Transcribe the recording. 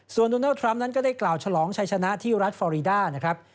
ส่วนโดนัลดทรัมป์นั้นก็ได้กล่าวฉลองชัยชนะที่รัฐฟอรีดานะครับ